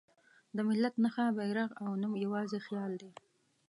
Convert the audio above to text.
د ملت نښه، بیرغ او نوم یواځې خیال دی.